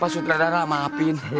pak sutradara maafin